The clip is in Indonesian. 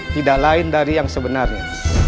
tidak lain dari yang sebenarnya